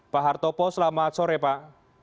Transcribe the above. pak hartopo selamat sore pak